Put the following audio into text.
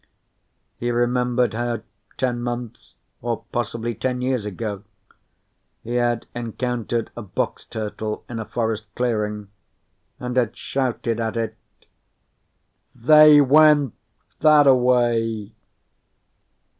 He remembered how, ten months or possibly ten years ago, he had encountered a box turtle in a forest clearing, and had shouted at it: "_They went thataway!